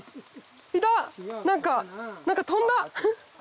何か何か飛んだ。